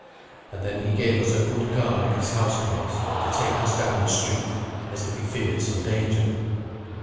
And then he gave us a good guard of his housecarls to take us down the street, as if he feared some danger.